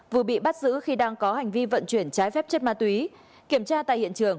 vừa bị bắt giữ khi đang có hành vi vận chuyển trái phép chất ma túy kiểm tra tại hiện trường